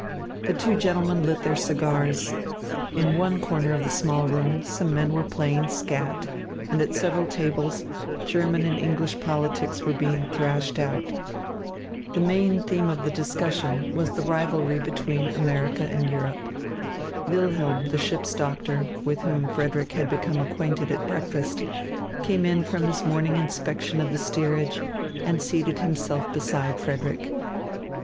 The two gentlemen lit their cigars. In one corner of the small room, some men were playing skat, and at several tables, German and English politics were being thrashed out. The main theme of discussion was the rivalry between America and Europe. Wilhelm, the ship's doctor, with whom Frederick had become acquainted at breakfast, came in from his morning inspection of the steerage, and seated himself beside Frederick.